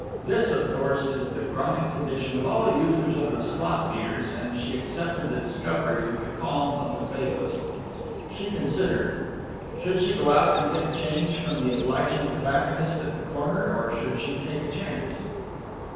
This, of course, is the chronic condition of all users of the slot meters, and she accepted the discovery with the calm of the fatalist. She considered. Should she go out and get change from the obliging tobacconist at the corner or should she take a chance?